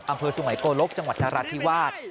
อำเภอสุงัยโกลกจังหวัดนราธิวาส